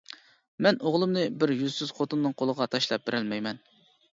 مەن ئوغلۇمنى بىر يۈزسىز خوتۇننىڭ قولىغا تاشلاپ بېرەلمەيمەن.